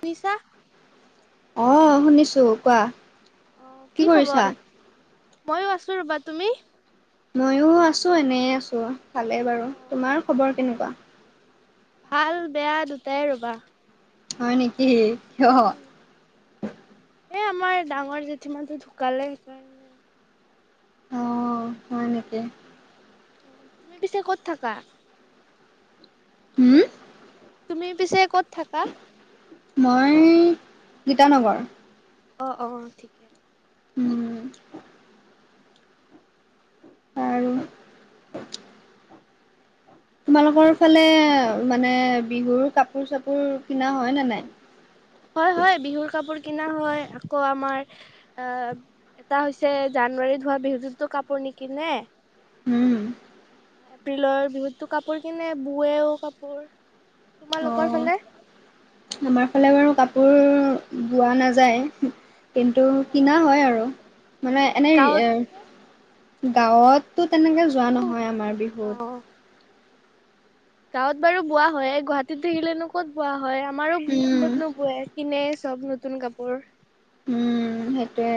শুনিছা অ শুনিছো কোৱা। অ কি খবৰ ময়ো আছো ৰবা তুমি ময়ো আছো এনে আছো ভালেই বাৰু তোমাৰ খবৰ কেনেকোৱা। ভাল বেয়া দুটাই ৰবা। হয় নেকি কিয়? এ আমাৰ ডাঙৰ জেঠি মাঁতো ঢুকালে সেইকাৰণে। অ', হয় নেকি অ তুমি পিছে ক'ত থাকা? হু তুমি পিছে ক'ত থাকা মই গীতানগৰ। অ অ ঠিকে। উম আৰু তোমালোকৰ ফালে মানে বিহুৰ কাপোৰ চাপোৰ কিনা হয় নে নাই। হয় হয় বিহুৰ কাপোৰ কিনা হয় আকৌ আমাৰ এ এটা হৈছে জানুৱাৰীত হোৱা বিহুটোততো কাপোৰ নিকিনে। উম। এপ্ৰিলৰ বিহুততো কাপোৰ কিনে বুৱেও কাপোৰ তোমালোকৰ অ', ফালে আমাৰ ফালে বাৰু কাপোৰ বোৱা নাযায়। কিন্তু কিনা অ', হয় আৰু। মানে কিনা এনেই এ গাঁৱততো গাঁৱততো তেনেকে যোৱা নহয় আমাৰ বিহুত। অ'। গাঁৱত বাৰু বোৱা হয়ে গুৱাহাটীত থাকিলেনো কত বোৱা হয় আমাৰো উম, কত নো বোৱে। কিনে চব নতুন কাপোৰ। উম সেইটোৱে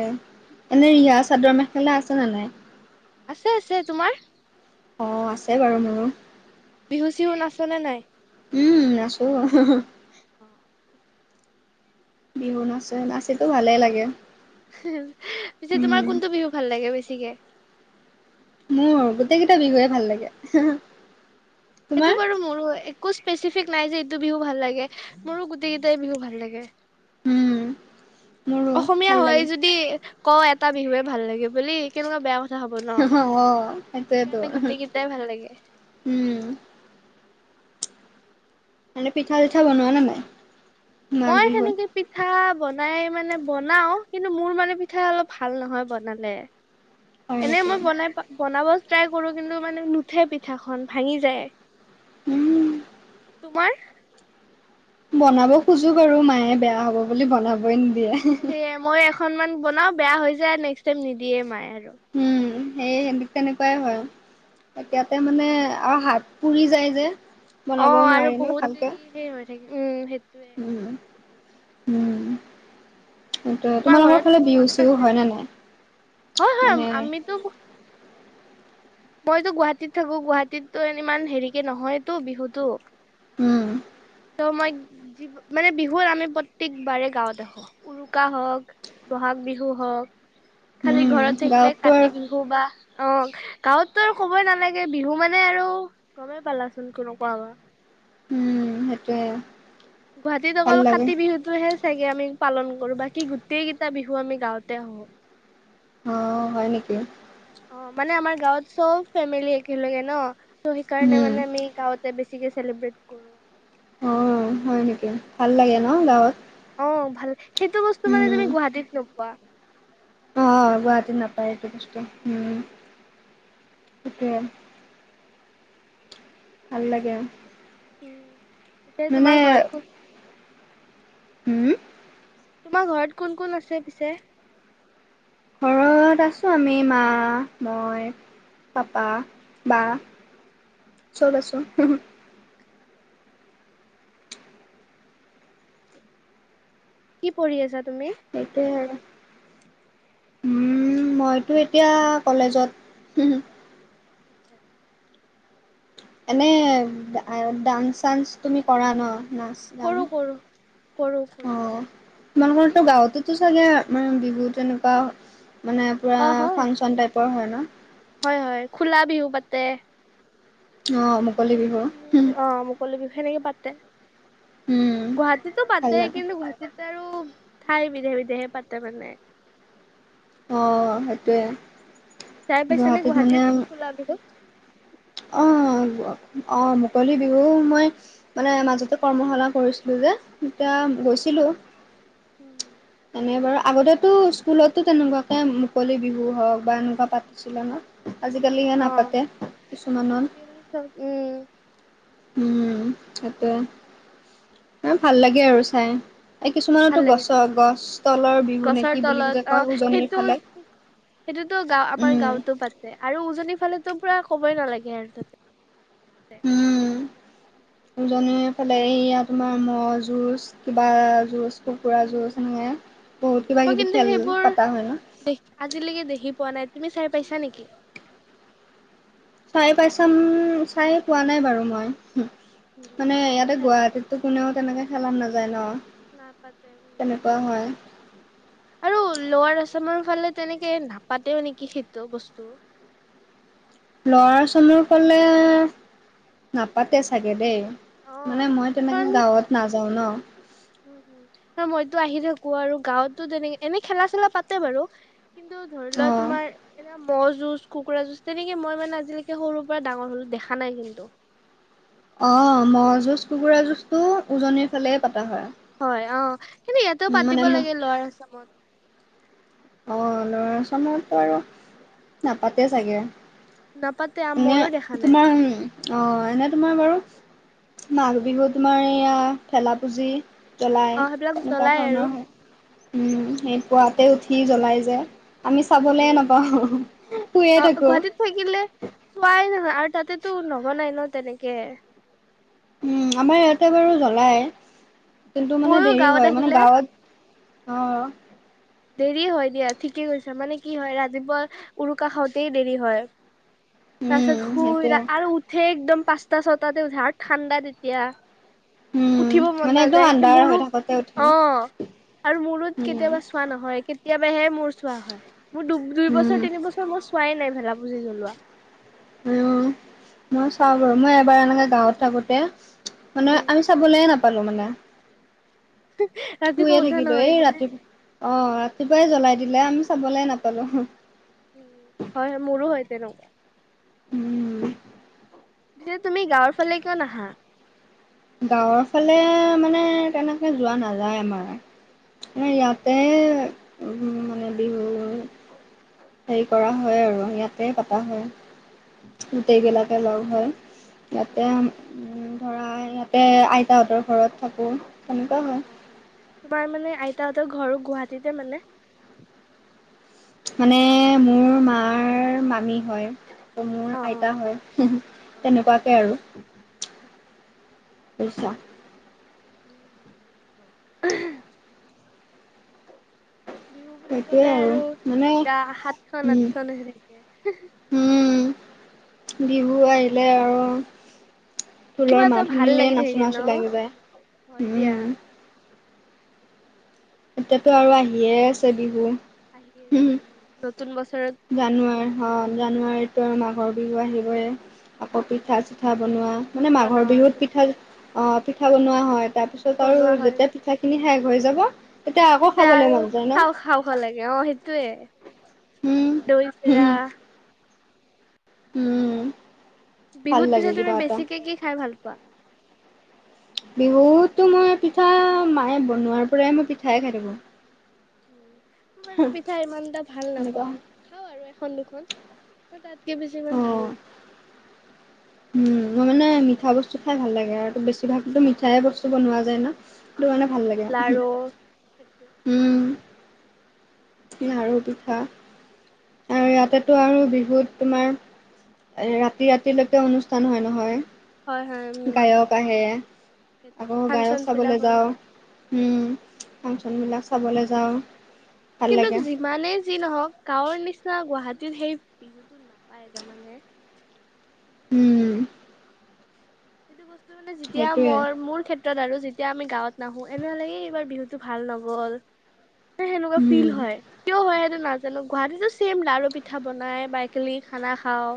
এনে ইয়াত চাদৰ মেখেলা আছে নে নাই? আছে আছে তোমাৰ। অ আছে বাৰু মোৰো। বিহু-চিহু নাচনে নাই। উম উ উ আছো হো হো। অ। বিহু নাচে নাচিতো ভালেই লাগে। সি সি ইহ পিছে উম, তোমাৰ কোনটো বিহু ভাল লাগে বেছিকে। মোৰ গোটেই কেইটা বিহুৱে ভাল লাগে হে হা। সেইটো বাৰু মোৰো একো স্পেচিফিক নাই যে এইটো বিহু ভাল লাগে ই হা মোৰো গোটেই কেইটাই বিহুৱে ভাল লাগে। উম। মোৰো অসমীয়া ভাল হয় লাগে যদি ই হা ক এটা বিহুৱে ভাল লাগে বুলি কেনেকুৱা বেয়া কথা হ'ব ন হি হা অ সেইটোৱেইটো সেইকাৰণে উমহু গোটেই কেইটাই ভাল লাগে উম। মানে পিঠা-চিঠা বনোৱা নে নাই। মাঘ মই বিহুত? সেনেকে পিঠা বনাই মানে বনাও কিন্তু মোৰ মানে পিঠা অলপ ভাল নহয় বনালে। [inaudible] হয় এনেই নেকি? মই বনাই পা বনাব ট্ৰাই কৰো কিন্তু মানে নুঠে পিঠাখন ভাঙি যায়। উম উ উ উ তোমাৰ। বনাব খোজো বাৰু মায়ে বেয়া হ'ব বুলি বনাবই নিদিয়ে হে হে হে। সেয়ে মই এখনমান বনাও বেয়া হৈ যায় নেক্সট টাইম নিদিয়ে মায়ে আৰু উম সেই হেন্তে তেনেকুৱাই হয়। এতিয়াতে মানে আৰু হাত পুৰি যায় যে। অ বনাব আৰু নোৱাৰি ন বহুত ভালকে দেৰি সেই হৈ থাকে উম উ উ সেইটোৱে। উম উ উম উ উ চুচ সেইটোৱে তোমাৰ তোমালোকৰ ঘৰত ফালে কোন কোন বিহু-চিহু আছে? হয় নে নাই। হয় হয় আম মানে আমিতো ব মইতো গুৱাহাটীত থাকো গুৱাহাটীততো ইমান হেৰি কে নহয়তো বিহুতো। উম উ উ। ত' মই যি হ'ব মানে বিহুত আমি প্ৰত্যেকবাৰে গাঁৱত আহোঁ। উৰুকা হওক বহাগ বিহু হওক খালি উম ঘৰত থাকিলে গাঁৱততো আৰু কাতি বিহু। বু বা অ গাঁৱততো আৰু ক'বই নালাগে বিহু মানে আৰু গমেই পালাচোন কেনেকুৱা আমাৰ। উম উ সেইটোৱে। গুৱাহাটীত অকল কাতি বিহুতটোহে। চাগে আমি পালন কৰো বাকি গোটেই কেইটা বিহু আমি গাঁৱতে আহো। অ অ হয় নেকি। অ মানে আমাৰ গাঁৱত চব ফেমিলি একেলগে ন ত' সেইকাৰণে উম মানে আমি। গাঁৱতে বেছিকে চেলিব্ৰেট কৰো। অ অ অ হয় নেকি ভাল লাগে ন উম গাঁৱত। অ ভাল সেইটো বস্তু মানে উম তুমি গুৱাহাটীত নোপোৱা। অ গুৱাহাটী নাপায় এইটো বস্তু উম তাকে। ভাল লাগে আৰু উ উ উ এতিয়াই তোমাৰ ঘৰত কোন হুম উ উ তোমাৰ ঘৰত কোন কোন আছে পিছে? ঘৰত আছো আমি মা, মই পাপা, বা, চ'ব আছোঁ। কি পঢ়ি আছা তুমি? সেইটোৱে আৰু। উম, মইতো এতিয়া কলেজত। [inaudible] এনেই ডান্স চান্স তুমি কৰা ন, নাচ? যাম। কৰোঁ কৰোঁ কৰোঁ কৰোঁ। অ', তুমি? তোমালোকৰতো গাঁৱতো টো চাগে মনে বিহুত তেনেকুৱা মানে পুৰা অ হয় ফাংচন টাইপৰ হয় ন? হয়, হয়, খোলা বিহু পাতে। অ'। তেনেকে বিহু অ' মুকলি বিহু সনেকে পাতে। উম গুৱাহাটীতো ভাল পাতে লাগে কিন্তু গাহ তেতিয়া আৰু ঠাই বিধে-বিধে‌ হে পাতে মানে। অ', সেইটোৱে। চাই পাইছা নে গুৱাহাটীত খোলা বিহু? অ', অ', মুকলি বিহু মই মানে মাজতে কৰ্মশালা কৰিছিলোঁ যে অ তেতিয়া অ গৈছিলোঁ। উম। তেনে বাৰু আগতেতো স্কুলতো তেনেকুৱাকে মুকলি বিহু হওঁক বা এনেকুৱা পাতিছিলে ন? আজিকালিহে অ নাপাতে কিছুমানত। আজিকালি চব উম। উম, সেইটয়ে। এ ভাল লাগে আৰু চাই। এই ভাল কিছুমানতো লাগে গছৰ গছ তলৰ বিহু নে গছৰ কি বুলি তলত যে অ কয় উজনিৰ সেইটো ফালে। সেইটোতো গাঁও, আমাৰ উম, গাঁওতো পাতে আৰু উজনিৰ ফালেটো পুৰা কবই নালাগে আৰু তাতে। উম। [unintelligible] উজনিৰ ফালে এয়া তোমাৰ ম' যুঁজ, কিবা যুঁজ কুকুৰা উম যুঁজ এনেকৈ বহুত কিবা কিবি খেল পাতা হয় ন? দেখি আজিলৈকে দেখি পোৱা নাই, তুমি চাই পাইছা নেকি? চাই পাইছাম, চাই পোৱা নাই বাৰু মই উম মানে ময়ো ইয়াতে চাই পা- গুৱাহাটীত তো কোনেও তেনেকে খেলাত নাযায় ন? নাপাতে উম। তেনেকুৱা হয় আৰু লোৱাৰ আচামৰ ফালে তেনেকে নাপাতেও নেকি সেইটো বস্তু? লোৱাৰ আচামৰ ফালে নাপাতে চাগে দেই। অ', মানে মই কাৰণ তেনেকে গাঁৱত নাযাও ন? উম, মইতো আহি থাকোঁ আৰু গাঁৱততো তেনেক এনে খেলা চেলা পাতে বাৰু। কিন্তু ধৰি লোৱা অ তোমাৰ এনে মহ' যুঁজ, কুকুৰা যুঁজ, তেনেকে মই মানে আজিলৈকে সৰুৰ পৰা ডাঙৰ হলোঁ দেখা নাই কিন্তু। অ', ম'হ যুঁজ, কুকুৰা যুঁজটো উজনিৰ ফালে পতা হয়। হয় অ', কিন্তু ইয়াতেও পাতিব মানে মোক লাগে লোৱাৰ আচামত। অ', লোৱাৰ আচামত'তো আৰু নাপাতে চাগে? নাপাতে আ এনে মইও দেখা নাই। তোমাৰ অ', এনে তোমাৰ বাৰু মাঘ বিহু তোমাৰ এয়া ভেলা পুজি জ্বলাই অ', সেইবিলাক তেনেকুৱা জ্বলাই আৰু ধৰণৰ হয়। উম সেইটো সেই মানে পুৱাতে উঠি জ্বলাই যায় যে। আমি উম, চাবলৈয় উম। নাপাওঁ, শুইয়ে অ', থাকো। গুৱাহাটীত থাকিলে চোৱাই নহয় আৰু তাতেতো নজ্বলাই ন তেনেকে। উম, আমাৰ ইয়াতে বাৰু জ্বলাই, কিন্তু মানে ময়ো দেৰি গাঁৱত হয়। মানে আহিলে গাঁৱত অ'। দেৰি হয় দিয়া, ঠিকে কৈছা মানে কি হয়, ৰাতিপুৱা উৰুকা খাওঁতেই দেৰি হয়। তাৰ পিছত উম শুই সেইটোৱে আৰু উঠে একদম পাঁচটা ছটাতে উঠে আৰু ঠাণ্ডা তেতিয়া। উম উঠিব মন মানে একদম নাযায় সেই আন্ধাৰ মোৰ হৈ অ থাকোতে উঠে ন আৰু মোৰত উম কেতিয়াবা। চোৱা নহয়, কেতিয়াবা হে মোৰ চোৱা হয়, মোৰ দু দুই উম বছৰ তিন বছৰ। মই চোৱাই নাই ভেলা পুজি জ্বলোৱা। উম, মই চাওঁ বাৰু মই এবাৰ এনেকে গাঁৱত থাকোতে মানে উম। আমি চাবলে নাপালোঁ মানে। [unintelligible] শুইয়ে উঠা থাকিলো নহয় এই যে ৰাতিপুৱা অ ৰাতিপুৱাই জ্বলাই দিলে আমি চাবলে নাপালো। উ হয় মোৰো হয় তেনেকুৱা। উম তেতিয়া তুমি গাঁৱৰ ফালে কিয় নাহা? গাঁৱৰ ফালে মানে তেনেকে যোৱা নাযায় আমাৰ। মানে ইয়াতে মানে বিহু। হেৰি কৰা হয় আৰু ইয়াত। তাতে পতা হয় গোটেইবিলাকে লগ হয় ইয়াতে, উম ধৰা ইয়াতে আইতাহঁতৰ ঘৰত থাকো তেনেকুৱা হয়। তোমাৰ মানে আইতাহঁতৰ ঘৰো গুৱাহাটীতে মানে। মানে মোৰ মাৰ মামী হয়, মোৰ আইতা হয়। তেনেকুৱাকে আৰু বুজিছা। উহু। বিহু বুলি সেইটোৱে ক'লে আৰু মানে গা সাতখন উম, আঠখন হৈ থাকে। উম বিহু আহিলে আৰু কিবা ঢোলৰ এটা মাত ভাল শুনিলে লাগি নাচো থাকে নাচো ন? লাগি যায় হয় দিয়া। উম। এতিয়াতো আৰু আহিয়ে আছে বিহু। আহি হুম, আছে উ নতুন বছৰত বিহু। জানুৱাৰী অ জানুৱাৰীত। মাঘৰ বিহু আহিবই আকৌ পিঠা চিঠা বনোৱা মানে মাঘৰ বনোৱা বিহুত পিঠা। অঁ পিঠা বনোৱা হয়, তাৰপিছত আৰু বনোৱা হয়। যেতিয়া পিঠাখিনি শেষ হৈ যাব। আকৌ তেতিয়া খাবলৈ আৰু মন যায় ন? খাও খাও লাগে অ সেইটোয়ে উম, দৈ চিৰা। উম, উম। ভাল বিহুত লাগে পিছে তুমি কিবা এটা। বেছিকে কি খাই ভাল পোৱা। বিহুতো মই পিঠা মায়ে বনোৱাৰ পৰাই মই পিঠাই খাই থাকো। মই বাৰু পিঠা ইমান এটা ভাল এনেকুৱা নাপাও খাও আৰু এখন দুখন তাত। তাকে বেছি ইমান অ'। ভাল নাপাওঁ। উম মই মানে মিঠা বস্তু খাই ভাল লাগে আৰু টো বেছি। বেছি ভাগটো অ মিঠাই বস্তু বনোৱা যায় ন সেইটো কাৰণে মিঠাই ভাল লাগে আও, লাৰু সেইটোৱে। উম। লাৰু পিঠা। আৰু ইয়াতেটো আৰু বিহুত তোমাৰ ৰাতি ৰাতিলৈকে অনুষ্ঠান হয় নহয়। হয় হয় উম গায়ক আহে সেইটো আকৌ গায়ক ফাংচন বিলাক চাবলৈ হয় যাও, উম। ফাংচনবিলাক চাবলৈ যাওঁ। ভাল লাগে কিন্তু যিমানে যি নহক গাঁৱৰ নিচিনা গুৱাহাটীত সেই বিহুতো নাপায় জানানে। উম। সেইটো বস্তু মানে যেতিয়া সেইটোৱে মই মোৰ ক্ষেত্ৰত, আৰু যেতিয়া আমি গাঁৱত নাহো এনেহলো এইবাৰ বিহুতটো ভাল নগ'ল। সেনেকুৱা ফিল উম, হয় কিয় হয় সেইটো না জানো গুৱাহাটীতো ছেইম লাৰু পিঠা বনাই বা একেলগে খানা খাও,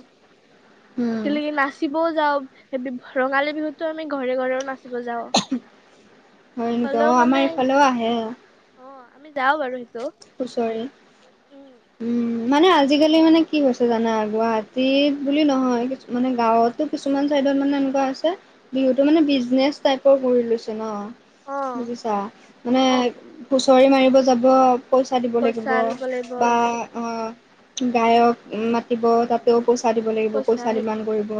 উম। একেলগে নাচিবও যাওঁ ৰঙালী বিহুতো আমি ঘৰে ঘৰেও নাচিব যাওঁ। হয় নেকি অ হ'লেও মানে আমাৰ ইফালেও আহে। অ আমি যাও বাৰু সেইটো হুঁচৰি উম মানে আজিকালি মানে কি হৈছে জানা গুৱাহাটীত বুলি নহয় কিছু মানে গাঁৱতো কিছুমান চাইডত মানে এনেকুৱা আছে। বিহুতো মানে বিজনেচ টাইপৰ কৰি লৈছে ন। অ বুজিছা মানে হুঁচৰি মাৰিব যাব। পইচা দিব লাগিব পইচা ল'ব লাগিব বা সেইটো অ'হ। গায়ক মাতিব তাতেও পইচা দিব লাগিব পইচা ডিমান কৰিব।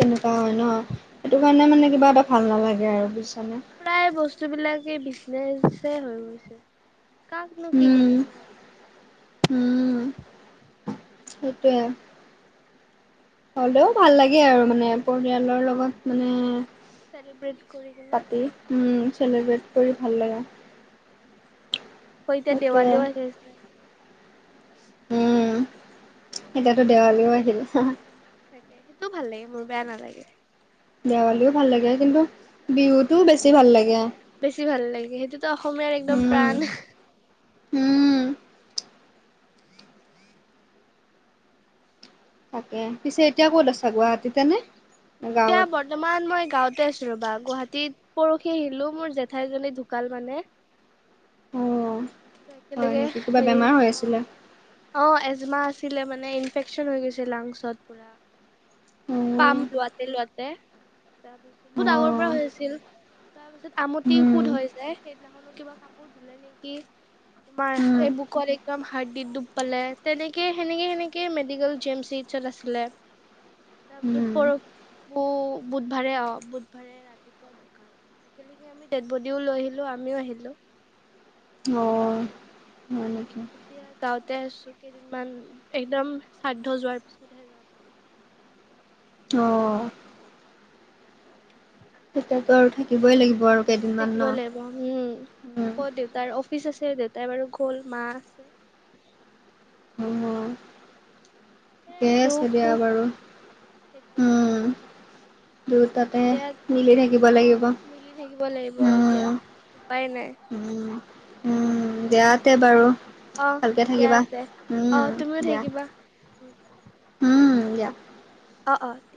তেনেকুৱা হয় ন সেইটো কাৰণে মানে কিবা এটা আজিকালি ভাল নালাগে আৰু বুজিছানে। প্ৰায় বস্তু বিলাকে বিজনেচ হৈ গৈছে, কাকনো কি উম কবা ন। উম সেইটোৱে। হ'লেও ভাল লাগে আৰু মানে। পৰিয়ালৰ অ লগত মানে চেলিব্ৰেট কৰি কিনে পাতি উম চেলিব্ৰেট কৰি। ভাল লাগে হয় এতিয়া সেইটোৱে। দেৱালী আহি আছে উম এতিয়াতো দেৱালীও আহিলে তাকে সেইটোও ভাল লাগে মোৰ বেয়া নালাগে দেৱালীও ভাল লাগে কিন্তু বিহুতটোও বেছি ভাল লাগে বেছি ভাল লাগে সেইটোতো অসমীয়াৰ একদম উম। প্ৰাণ উম তাকে পিছে এতিয়া ক'ত আছা গুৱাহাটীতে নে এতিয়া গাঁৱত? ব ৰ্তমান মই গাঁওঁতে আছিলো ৰবা গুৱাহাটীত পৰহি আহিলো মোৰ জেঠাইজনী ঢুকাল মানে অ হয় একেলগে নেকি কিবা হেৰি বেমাৰ হৈ আছিলে অ এজমা আছিলে মানে ইনফেকচন হৈ গৈছে লাংচত পৰা পাম অ', লোৱাতে লোৱাতে তাৰপিছত বহুত আগৰ পৰা অ', হৈ আছিল তাৰপিছত আমটি উম, সুদ হৈ যে সেইদিনাখনো কিবা কাপোৰ ধুলে নেকি তোমাৰ উম, এই বুকত একম হাৰ্ডিত ডুব পালে তেনেকে সেনেকে সেনেকে মেডিকেল জি এম চিত আছিলে তাৰ পিছত উম। পৰশো বুধবাৰে অ বুধবাৰে ৰাতিপুৱা ঢো কাল একেলগে আমি ডেড বডিও লৈ আহিলো আমিও আহিলো অ হয় নেকি এতিয়া গাওঁতে আছো কেইদিনমান একদম শ্ৰাদ্ধ যোৱাৰ পিছতহে যাম মানে অ তেতিয়াতো আৰু সেইটোৱে থাকিবই লাগিব আৰু কেইদিনমান থাকিব ন লাগিব উম আকৌ উম, দেউতাৰ অফিচ আছে দেউতাই বাৰু গ'ল মা আছে এ ঠিকেইে আছে দুখ দিয়া সুখ বাৰু সেইটোৱে উম দুয়োটাতে এতিয়া মিলি থাকিব অ লাগিব মিলি থাকিব লাগিব এতিয়া। উম উপায় নাই উম উম দে এয়াতে বাৰু অ ভালকে দিয়া থাকিবা তে অ উম তুমিও দিয়া থাকিবা। উম উম দিয়া অ অ